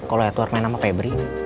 kalau edward main sama pebri